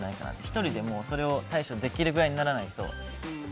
１人でそれに対処できるようにならないと。